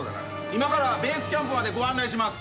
今からベースキャンプまでご案内します。